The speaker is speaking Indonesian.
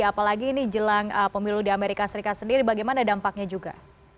apalagi ini jelang pemilu di amerika serikat sendiri bagaimana dampaknya juga